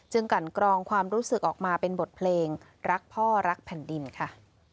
กันกรองความรู้สึกออกมาเป็นบทเพลงรักพ่อรักแผ่นดินค่ะ